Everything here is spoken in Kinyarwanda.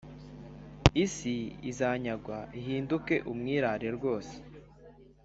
Isi izanyagwa ihinduke umwirare rwose